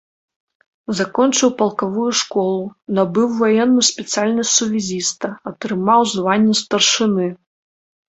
Закончыў палкавую школу, набыў ваенную спецыяльнасць сувязіста, атрымаў званне старшыны.